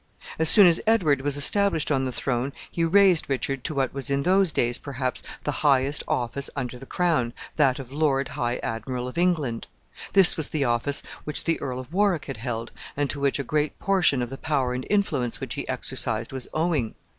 As soon as Edward was established on the throne, he raised Richard to what was in those days, perhaps, the highest office under the crown, that of Lord High Admiral of England. This was the office which the Earl of Warwick had held, and to which a great portion of the power and influence which he exercised was owing.